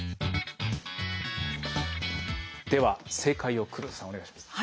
では正解を黒田さんお願いします。